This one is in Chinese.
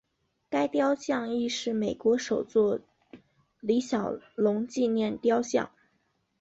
该雕像亦是美国首座李小龙纪念雕像。